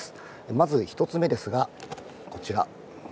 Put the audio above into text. まず１つ目ですが、こちら。